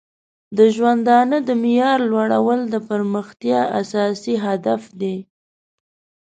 د ژوندانه د معیار لوړول د پرمختیا اساسي هدف دی.